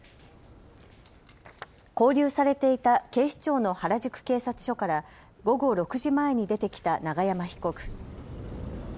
勾留されていた警視庁の原宿警察署から午後６時前に出てきた永山被告。